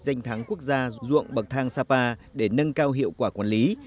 danh thắng quốc gia ruộng bậc thang sapa để nâng cao hiệu quả quản lý